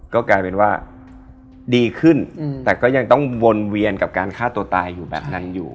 ก็กลายเป็นว่าดีขึ้นแต่ก็ยังต้องวนเวียนกับการฆ่าตัวตายอยู่แบบนั้นอยู่